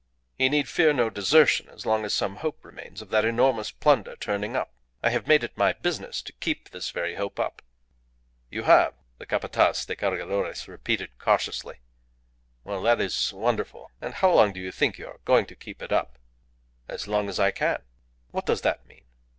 He need fear no desertion as long as some hope remains of that enormous plunder turning up. I have made it my business to keep this very hope up." "You have?" the Capataz de Cargadores repeated cautiously. "Well, that is wonderful. And how long do you think you are going to keep it up?" "As long as I can." "What does that mean?"